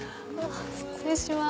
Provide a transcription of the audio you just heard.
失礼します。